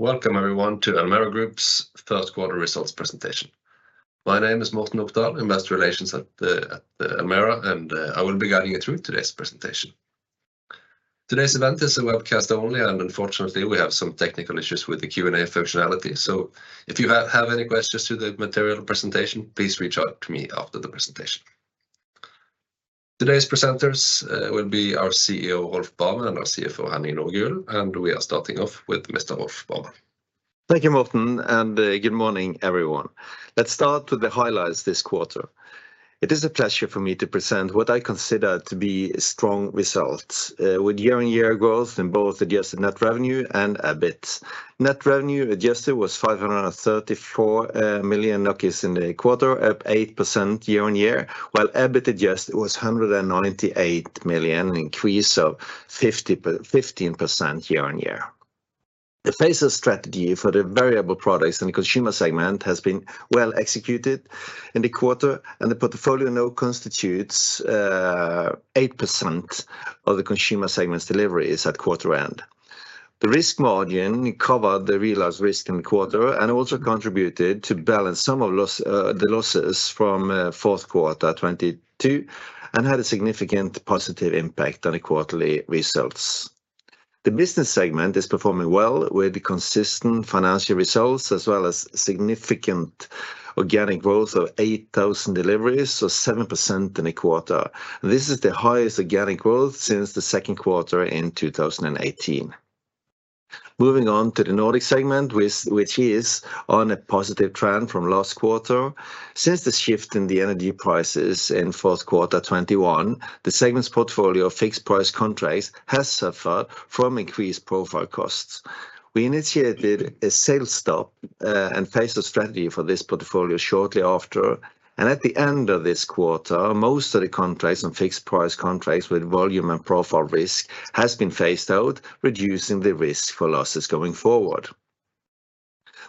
Welcome everyone to Elmera Group's third-quarter results presentation. My name is Morten Opdal, investor relations at the Elmera Group, I will be guiding you through today's presentation. Today's event is a webcast only, unfortunately, we have some technical issues with the Q&A functionality. If you have any questions to the material presentation, please reach out to me after the presentation. Today's presenters will be our CEO, Rolf Barmen, and our CFO, Henning Nordgulen. We are starting off with Mr. Rolf Barmen. Thank you, Morten. Good morning, everyone. Let's start with the highlights this quarter. It is a pleasure for me to present what I consider to be strong results, with year-on-year growth in both adjusted net revenue and EBIT. Net revenue adjusted was 534 million in the quarter, up 8% year-on-year, while EBIT adjusted was 198 million, an increase of 15% year-on-year. The phased strategy for the variable products in the consumer segment has been well executed in the quarter. The portfolio now constitutes 8% of the consumer segment's deliveries at quarter end. The risk margin covered the realized risk in the quarter and also contributed to balance some of the losses from fourth quarter 2022 and had a significant positive impact on the quarterly results. The business segment is performing well with consistent financial results as well as significant organic growth of 8,000 deliveries, so 7% in a quarter. This is the highest organic growth since the second quarter in 2018. Moving on to the Nordic segment, which is on a positive trend from last quarter. Since the shift in the energy prices in fourth quarter 2021, the segment's portfolio of fixed-price contracts has suffered from increased profile costs. We initiated a sales stop and phased strategy for this portfolio shortly after, and at the end of this quarter, most of the contracts and fixed-price contracts with volume and profile risk has been phased out, reducing the risk for losses going forward.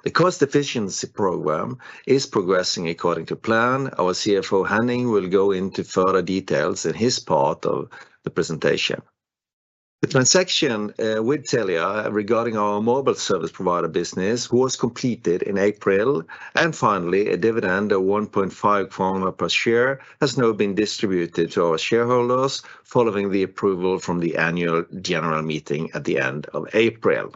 The cost efficiency program is progressing according to plan. Our CFO, Henning, will go into further details in his part of the presentation. The transaction with Telia regarding our mobile service provider business was completed in April. Finally, a dividend of 1.5 kroner per share has now been distributed to our shareholders following the approval from the annual general meeting at the end of April.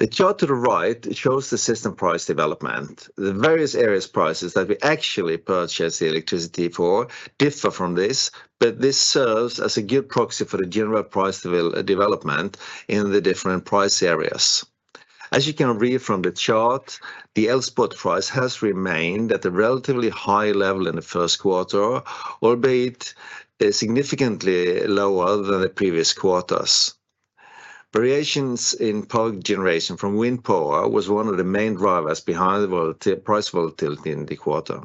The chart to the right shows the system price development. The various areas prices that we actually purchase the electricity for differ from this, but this serves as a good proxy for the general price development in the different price areas. As you can read from the chart, the Elspot price has remained at a relatively high level in the first quarter, albeit significantly lower than the previous quarters. Variations in power generation from wind power was one of the main drivers behind the price volatility in the quarter.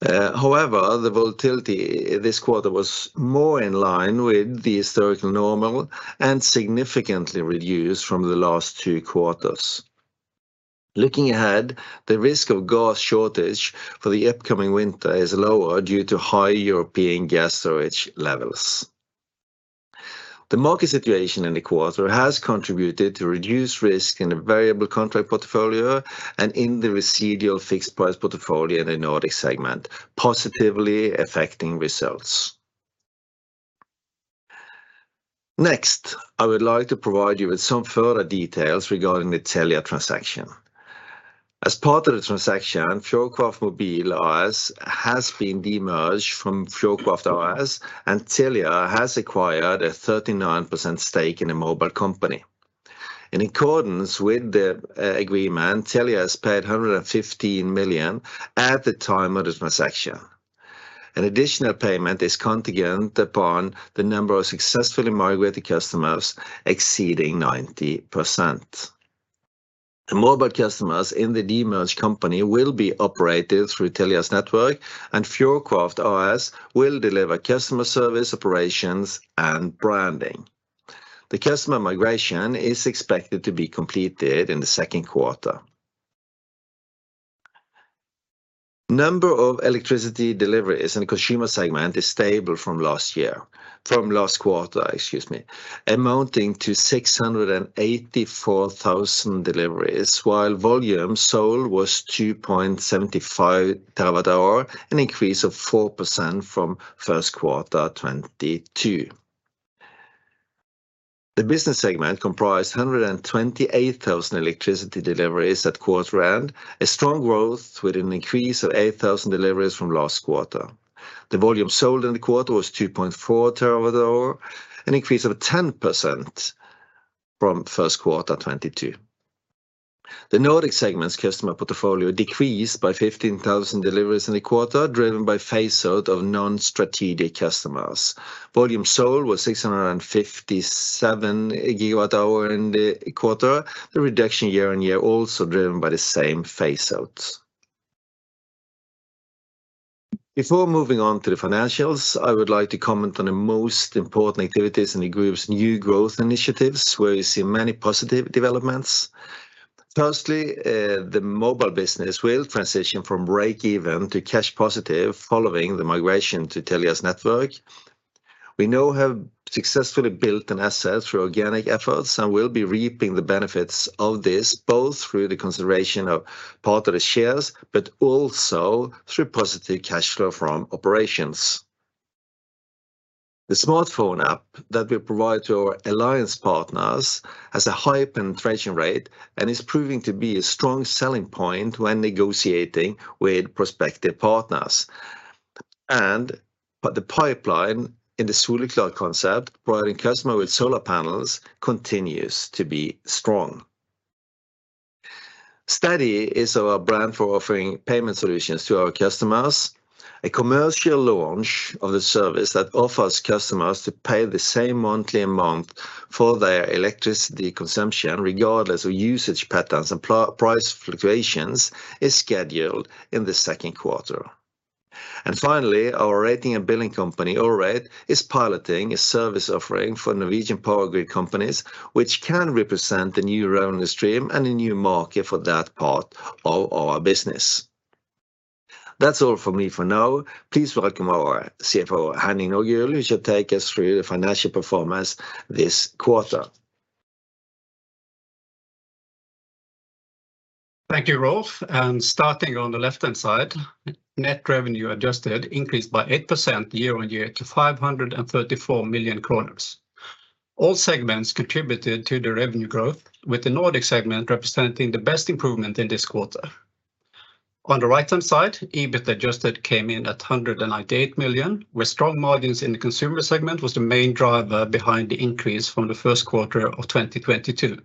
However, the volatility this quarter was more in line with the historical normal and significantly reduced from the last two quarters. Looking ahead, the risk of gas shortage for the upcoming winter is lower due to high European gas storage levels. The market situation in the quarter has contributed to reduced risk in the variable contract portfolio and in the residual fixed-price portfolio in the Nordic segment, positively affecting results. Next, I would like to provide you with some further details regarding the Telia transaction. As part of the transaction, Fjordkraft Mobil AS has been demerged from Fjordkraft AS, and Telia has acquired a 39% stake in the mobile company. In accordance with the agreement, Telia has paid 115 million at the time of this transaction. An additional payment is contingent upon the number of successfully migrated customers exceeding 90%. The mobile customers in the demerged company will be operated through Telia's network, and Fjordkraft AS will deliver customer service operations and branding. The customer migration is expected to be completed in the second quarter. Number of electricity deliveries in consumer segment is stable from last year. From last quarter, excuse me, amounting to 684,000 deliveries, while volume sold was 2.75 TWh, an increase of 4% from first quarter 2022. The business segment comprised 128,000 electricity deliveries at quarter end, a strong growth with an increase of 8,000 deliveries from last quarter. The volume sold in the quarter was 2.4 TWh, an increase of 10% from first quarter 2022. The Nordic segment's customer portfolio decreased by 15,000 deliveries in the quarter, driven by phaseout of non-strategic customers. Volume sold was 657 GWh in the quarter, the reduction year-on-year also driven by the same phaseouts. Before moving on to the financials, I would like to comment on the most important activities in the group's new growth initiatives, where we see many positive developments. Firstly, the mobile business will transition from break-even to cash positive following the migration to Telia's network. We now have successfully built an asset through organic efforts and will be reaping the benefits of this, both through the consideration of part of the shares, but also through positive cash flow from operations. The smartphone app that we provide to our alliance partners has a high penetration rate and is proving to be a strong selling point when negotiating with prospective partners. The pipeline in the Soliklar concept, providing customer with solar panels, continues to be strong. Steddi is our brand for offering payment solutions to our customers. A commercial launch of the service that offers customers to pay the same monthly amount for their electricity consumption regardless of usage patterns and price fluctuations is scheduled in the second quarter. Finally, our rating and billing company, Orate, is piloting a service offering for Norwegian power grid companies, which can represent the new revenue stream and a new market for that part of our business. That's all from me for now. Please welcome our CFO, Henning Nordgulen, who should take us through the financial performance this quarter. Thank you, Rolf. Starting on the left-hand side, net revenue adjusted increased by 8% year on year to 534 million kroner. All segments contributed to the revenue growth, with the Nordic segment representing the best improvement in this quarter. On the right-hand side, EBIT adjusted came in at 198 million, where strong margins in the consumer segment was the main driver behind the increase from the Q1 2022.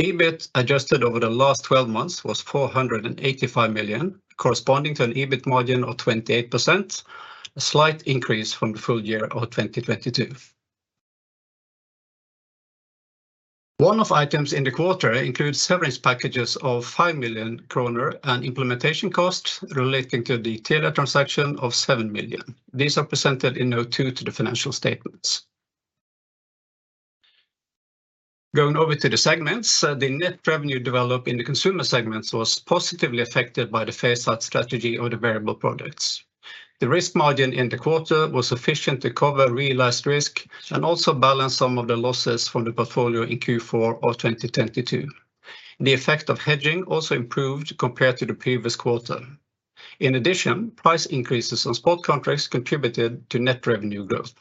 EBIT adjusted over the last 12 months was 485 million, corresponding to an EBIT margin of 28%, a slight increase from the full year 2022. One-off items in the quarter includes severance packages of 5 million kroner and implementation costs relating to the Telia transaction of 7 million. These are presented in note two to the financial statements. Going over to the segments, the net revenue developed in the consumer segments was positively affected by the phase-out strategy of the variable products. The risk margin in the quarter was sufficient to cover realized risk and also balance some of the losses from the portfolio in Q4 2022. The effect of hedging also improved compared to the previous quarter. Price increases on spot contracts contributed to net revenue growth.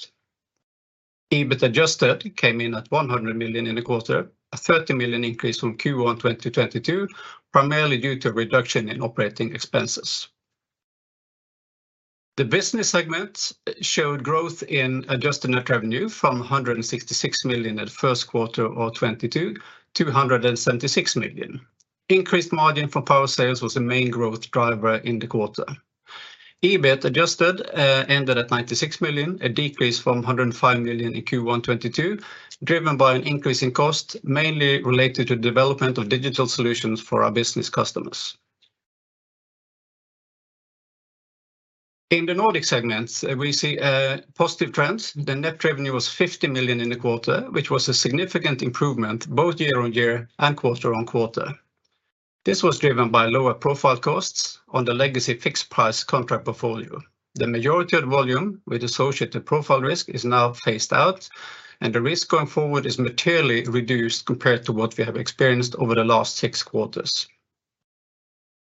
EBIT adjusted came in at 100 million in the quarter, a 30 million increase from Q1 2022, primarily due to a reduction in operating expenses. The business segment showed growth in adjusted net revenue from 166 million at Q1 2022 to 176 million. Increased margin for power sales was the main growth driver in the quarter. EBIT adjusted ended at 96 million, a decrease from 105 million in Q1 2022, driven by an increase in cost, mainly related to development of digital solutions for our business customers. In the Nordic segments, we see positive trends. The net revenue was 50 million in the quarter, which was a significant improvement both year-on-year and quarter-on-quarter. This was driven by lower profile costs on the legacy fixed price contract portfolio. The majority of volume with associated profile risk is now phased out, and the risk going forward is materially reduced compared to what we have experienced over the last 6 quarters.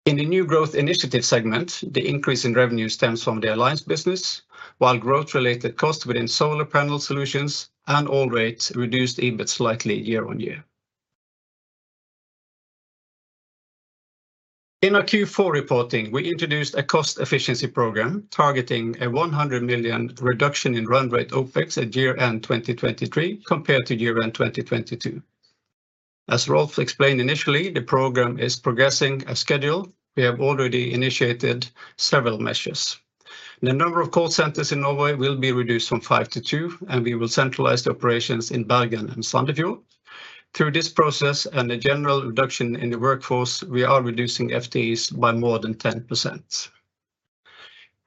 In the new growth initiative segment, the increase in revenue stems from the alliance business, while growth-related costs within solar panel solutions and Orate reduced EBIT slightly year-on-year. In our Q4 reporting, we introduced a cost efficiency program targeting a 100 million reduction in run rate OpEx at year-end 2023 compared to year-end 2022. As Rolf explained initially, the program is progressing as scheduled. We have already initiated several measures. The number of call centers in Norway will be reduced from five to two, and we will centralize the operations in Bergen and Sandefjord. Through this process and a general reduction in the workforce, we are reducing FTEs by more than 10%.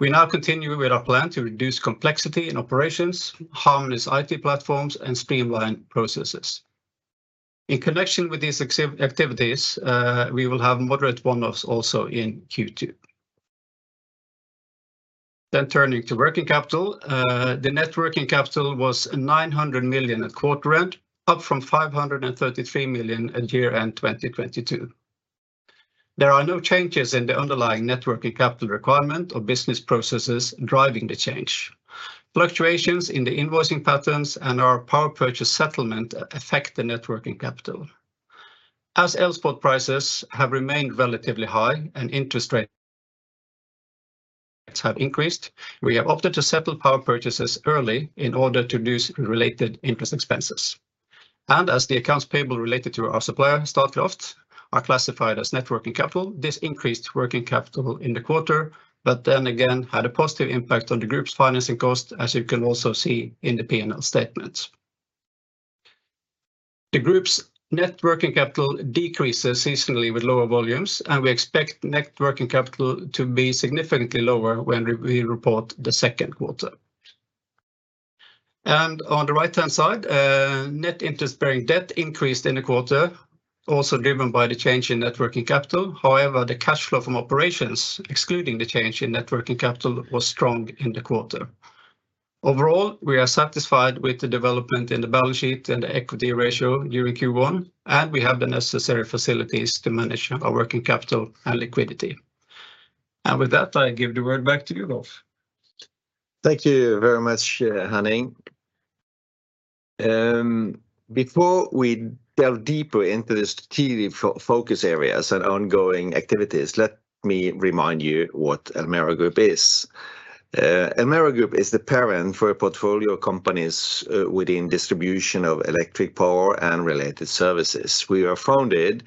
We now continue with our plan to reduce complexity in operations, harmonize IT platforms, and streamline processes. In connection with these activities, we will have moderate one-offs also in Q2. Turning to working capital, the net working capital was 900 million at quarter-end, up from 533 million at year-end 2022. There are no changes in the underlying net working capital requirement or business processes driving the change. Fluctuations in the invoicing patterns and our power purchase settlement affect the net working capital. As elspot prices have remained relatively high and interest rates have increased, we have opted to settle power purchases early in order to reduce related interest expenses. As the accounts payable related to our supplier, Statkraft, are classified as net working capital, this increased working capital in the quarter, but then again had a positive impact on the group's financing cost, as you can also see in the P&L statements. The group's net working capital decreases seasonally with lower volumes, we expect net working capital to be significantly lower when we report the second quarter. On the right-hand side, net interest-bearing debt increased in the quarter, also driven by the change in net working capital. However, the cash flow from operations, excluding the change in net working capital, was strong in the quarter. Overall, we are satisfied with the development in the balance sheet and the equity ratio during Q1, we have the necessary facilities to manage our working capital and liquidity. With that, I give the word back to you, Rolf. Thank you very much, Henning. Before we delve deeper into the strategic focus areas and ongoing activities, let me remind you what Elmera Group is. Elmera Group is the parent for portfolio companies within distribution of electric power and related services. We were founded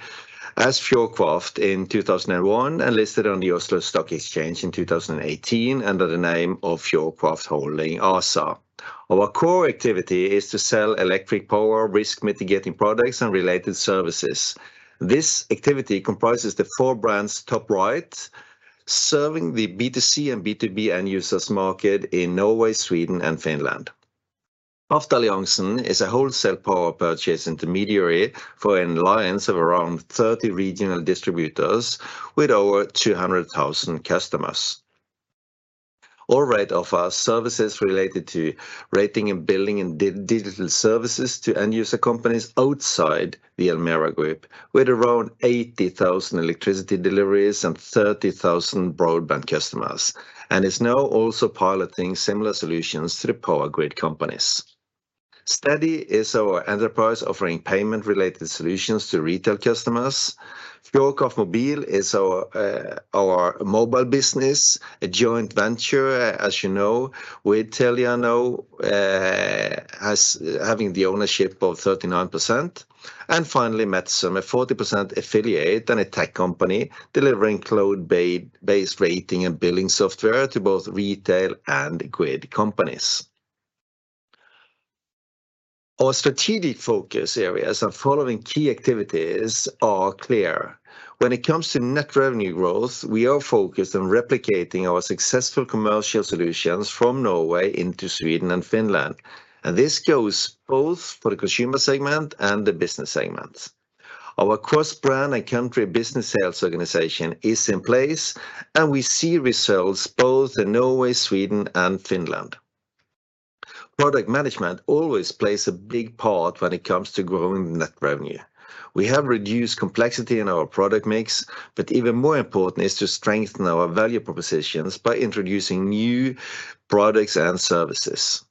as Fjordkraft in 2001 and listed on the Oslo Stock Exchange in 2018 under the name of Fjordkraft Holding ASA. Our core activity is to sell electric power, risk mitigating products, and related services. This activity comprises the four brands, top right, serving the B2C and B2B end users market in Norway, Sweden, and Finland. [Baftalionson] is a wholesale power purchase intermediary for an alliance of around 30 regional distributors with over 200,000 customers. Orate offer services related to rating and billing and digital services to end user companies outside the Elmera Group, with around 80,000 electricity deliveries and 30,000 broadband customers, and is now also piloting similar solutions to the power grid companies. Steddi is our enterprise offering payment-related solutions to retail customers. Fjordkraft Mobil is our mobile business, a joint venture, as you know, with Telia now, having the ownership of 39%. Finally, Metzum, a 40% affiliate and a tech company delivering cloud-based rating and billing software to both retail and grid companies. Our strategic focus areas and following key activities are clear. When it comes to net revenue growth, we are focused on replicating our successful commercial solutions from Norway into Sweden and Finland. This goes both for the consumer segment and the business segments. Our cross-brand and country business sales organization is in place. We see results both in Norway, Sweden, and Finland. Product management always plays a big part when it comes to growing net revenue. We have reduced complexity in our product mix. Even more important is to strengthen our value propositions by introducing new products and services.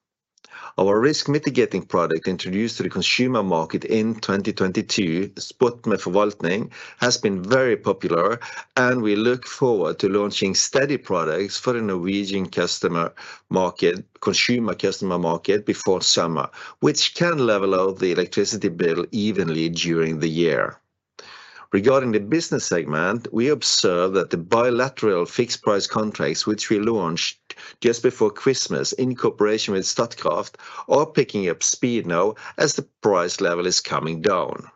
Our risk mitigating product introduced to the consumer market in 2022, Spotpris forvaltning, has been very popular. We look forward to launching Steddi products for the Norwegian customer market, consumer customer market before summer, which can level out the electricity bill evenly during the year. Regarding the business segment, we observe that the bilateral fixed price contracts, which we launched just before Christmas in cooperation with Statkraft, are picking up speed now as the price level is coming down.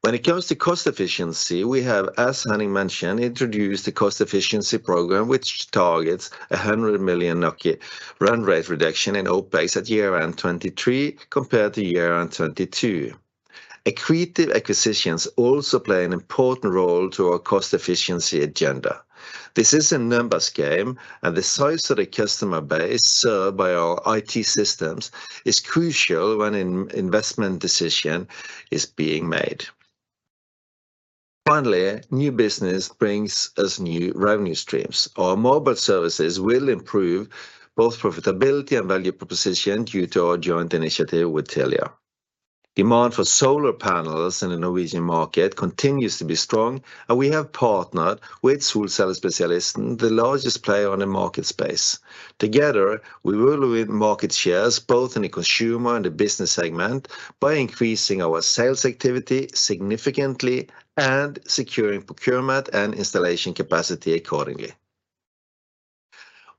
When it comes to cost efficiency, we have, as Henning mentioned, introduced the cost efficiency program, which targets 100 million NOK run rate reduction in OpEx at year-end 2023 compared to year-end 2022. Accretive acquisitions also play an important role to our cost efficiency agenda. This is a numbers game, and the size of the customer base served by our IT systems is crucial when in-investment decision is being made. New business brings us new revenue streams. Our mobile services will improve both profitability and value proposition due to our joint initiative with Telia. Demand for solar panels in the Norwegian market continues to be strong, and we have partnered with Solcellespesialisten, the largest player on the market space. Together, we will win market shares both in the consumer and the business segment by increasing our sales activity significantly and securing procurement and installation capacity accordingly.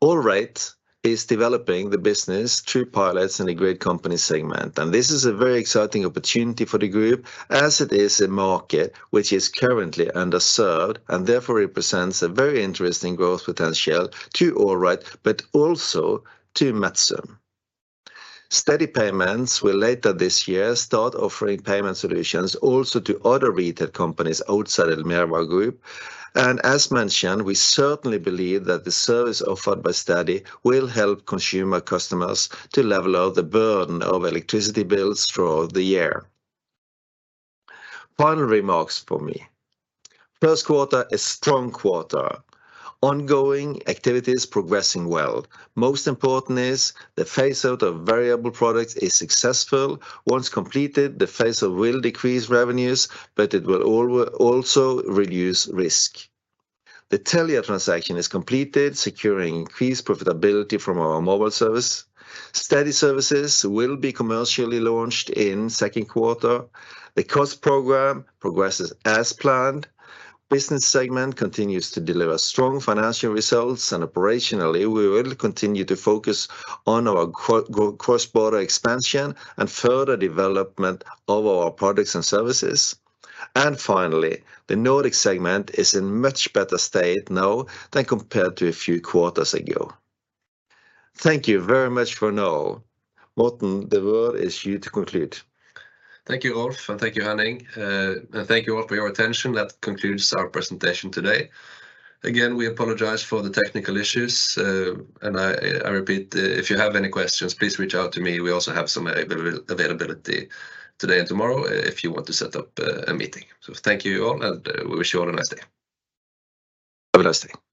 Orate is developing the business through pilots in the grid company segment. This is a very exciting opportunity for the group as it is a market which is currently underserved and therefore represents a very interesting growth potential to Orate, but also to Metzum. Steddi Payments will later this year start offering payment solutions also to other retail companies outside Elmera Group. As mentioned, we certainly believe that the service offered by Steddi will help consumer customers to level out the burden of electricity bills throughout the year. Final remarks from me. First quarter, a strong quarter. Ongoing activities progressing well. Most important is the phase-out of variable products is successful. Once completed, the phase-out will decrease revenues, but it will also reduce risk. The Telia transaction is completed, securing increased profitability from our mobile service. Steddi Services will be commercially launched in second quarter. The cost program progresses as planned. Business segment continues to deliver strong financial results, operationally we will continue to focus on our cross-border expansion and further development of our products and services. Finally, the Nordic segment is in much better state now than compared to a few quarters ago. Thank you very much for now. Morten, the word is you to conclude. Thank you, Rolf. Thank you, Henning. Thank you all for your attention. That concludes our presentation today. Again, we apologize for the technical issues, and I repeat, if you have any questions, please reach out to me. We also have some availability today and tomorrow if you want to set up a meeting. Thank you all, and we wish you all a nice day. Have a nice day